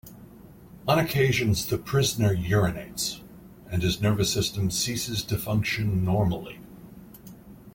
On occasions the prisoner urinates, and his nervous system ceases to function normally'.